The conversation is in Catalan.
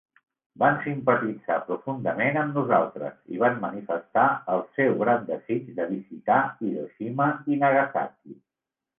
Van simpatitzar profundament amb nosaltres, i van manifestar el seu gran desig de visitar Hiroshima i Nagasaki.